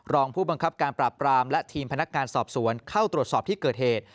รองผู้บังคับการปราบปรามและทีมพนักงานสอบสวนเข้าตรวจสอบที่เกิดเหตุ